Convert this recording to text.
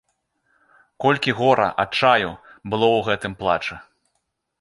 Колькі гора, адчаю было ў гэтым плачы!